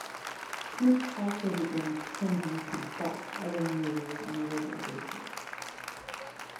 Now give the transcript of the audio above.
Smith also began pretending to botch other maneuvers on a regular basis.